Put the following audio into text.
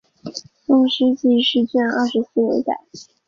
宋诗纪事卷二十四有载。